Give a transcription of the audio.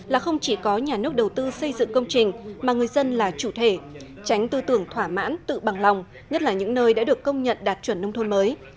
là không chỉ có nhà nước đầu tư xây dựng công trình mà người dân là chủ thể tránh tư tưởng thỏa mãn tự bằng lòng nhất là những nơi đã được công nhận đạt chuẩn nông thôn mới